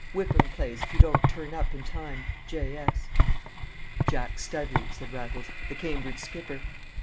Whipham plays if you don't turn up in time. J. S.'" "Jack Studley," said Raffles, "the Cambridge skipper."